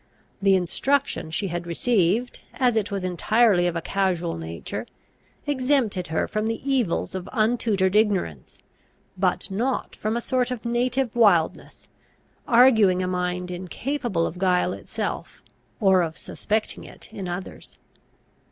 The instruction she had received, as it was entirely of a casual nature, exempted her from the evils of untutored ignorance, but not from a sort of native wildness, arguing a mind incapable of guile itself, or of suspecting it in others.